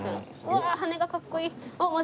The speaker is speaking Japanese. うわあ羽根がかっこいい！